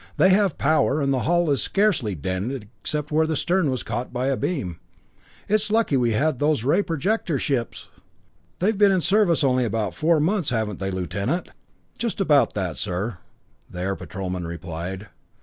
"They have power, and the hull is scarcely dented except where the stern was caught by a beam. It's lucky we had those ray projector ships! They've been in service only about four months, haven't they, Lieutenant?" "Just about that, sir," the Air Patrolman replied.